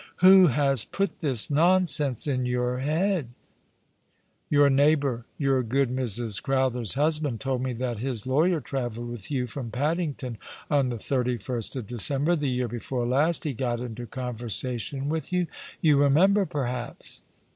" Who has put this nonsense in your head ?"" Your neighbour — your good Mrs. Crowther's husband told me that his lawyer travelled with you from Paddington — on the 31st of December — the year before last. He got into conversation with you — you remember, perhaps